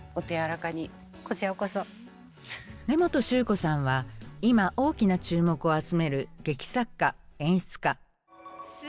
根本宗子さんは今大きな注目を集める劇作家・演出家。